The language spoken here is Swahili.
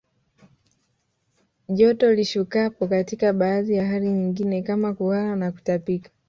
Joto lishukapo katika baadhi ya hali nyingine kama kuhara na kutapika